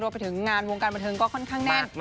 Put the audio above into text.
ไปถึงงานวงการบันเทิงก็ค่อนข้างแน่น